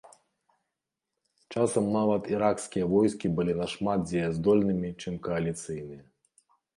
Часам нават іракскія войскі былі нашмат дзеяздольнымі, чым кааліцыйныя.